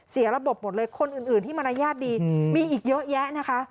เสียระบบหมดเลยคนอื่นที่มารยาทดีมีอีกเยอะแยะนะคะ